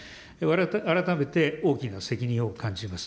改めて大きな責任を感じます。